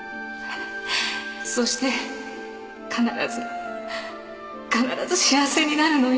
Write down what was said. そして必ず必ず幸せになるのよ。